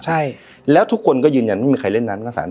ใช่แล้วทุกคนก็ยืนยังไม่มีใครเล่นน้ำหน้าศาล